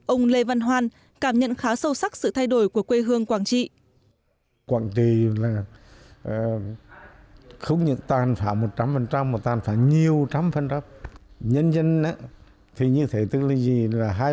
ông lê văn hoan cảm nhận khá sâu sắc sự thay đổi của quê hương quảng trị